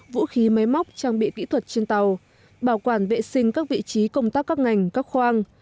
vũ khí máy móc trang bị kỹ thuật trên tàu bảo quản vệ sinh các vị trí công tác các ngành các khoang